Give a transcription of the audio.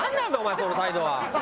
その態度は」。